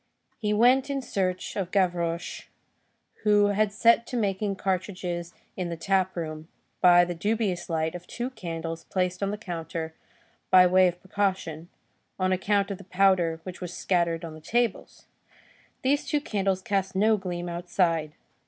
He went in search of Gavroche, who had set to making cartridges in the tap room, by the dubious light of two candles placed on the counter by way of precaution, on account of the powder which was scattered on the tables. These two candles cast no gleam outside.